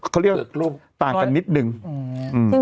เขาเรียกว่าต่างกันนิดนึง